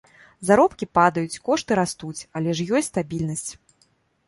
Заробкі падаюць, кошты растуць, але ж ёсць стабільнасць.